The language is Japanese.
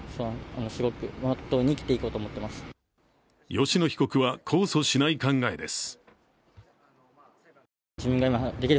吉野被告は控訴しない考えです。